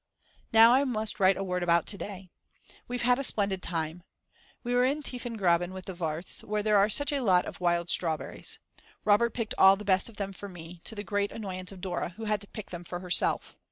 Now I must write a word about to day. We've had a splendid time. We were in Tiefengraben with the Warths where there are such a lot of wild strawberries. Robert picked all the best of them for me, to the great annoyance of Dora who had to pick them for herself.